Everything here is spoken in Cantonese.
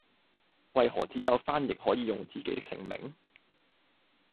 為何只有翻譯可以用自己的姓名